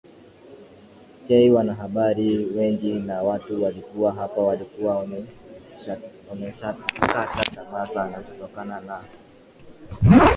K wanahabari wengi na watu walikuwa hapa walikuwa wameshakata tamaa sana kutokana na